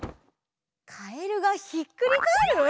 「カエルがひっくりかえる」？